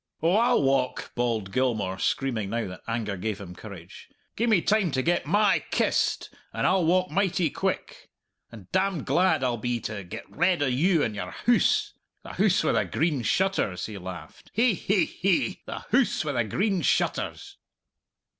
"Oh, I'll walk," bawled Gilmour, screaming now that anger gave him courage. "Gie me time to get my kist, and I'll walk mighty quick. And damned glad I'll be to get redd o' you and your hoose. The Hoose wi' the Green Shutters," he laughed, "hi, hi, hi! the Hoose wi' the Green Shutters!"